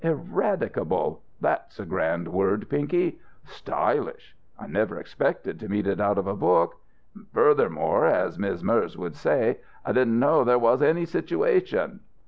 "Eradicable! That's a grand word, Pinky. Stylish! I never expected to meet it out of a book. And fu'thermore, as Miz' Merz would say, I didn't know there was any situation."